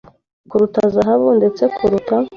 kuruta zahabu ndetse kuruta